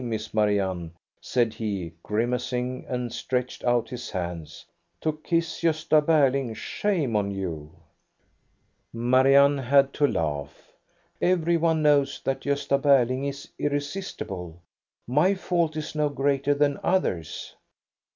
Miss Marianne," said he, grimac ing, and stretched out his hands. "To kiss Gosta Berling ; shame on you !" Marianne had to laugh. "Everyone knows that Gosta Berling is irresistible. My fault is no greater than others'."